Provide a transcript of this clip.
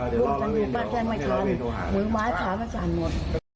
ร่วมกันดูป่ะแจ้งไม่ทันหรือไม้ผลามันสั่นหมด